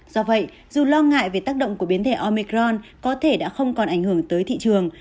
do vậy dù lo ngại về tác động của biến thể omicron có thể đã không còn ảnh hưởng tới thị trường